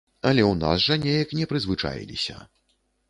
Але ў нас жа неяк не прызвычаіліся.